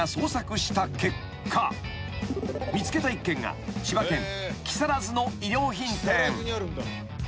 ［見つけた一軒が千葉県木更津の衣料品店］